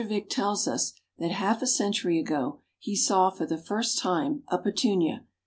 Vick tells us how that half a century ago, he saw for the first time, a Petunia.